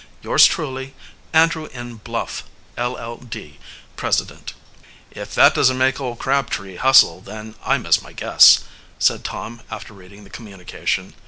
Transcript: "Yours truly, "ANDREW N. BLUFF, LL.D., President." "If that doesn't make old Crabtree hustle then I miss my guess," said Tom after reading the communication.